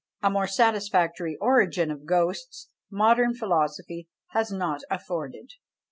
A more satisfactory origin of ghosts modern philosophy has not afforded.